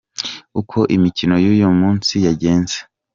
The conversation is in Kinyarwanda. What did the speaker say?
Uko imikino y’uyu munsi yagenze :.